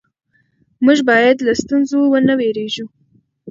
موږ باید له ستونزو ونه وېرېږو